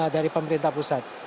dari pemerintah pusat